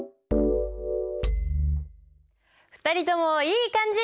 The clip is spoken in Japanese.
２人ともいい感じ！